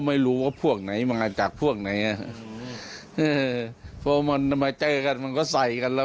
เพราะว่าเขาเข้ามอฝั่งด้านนู้นมันบัง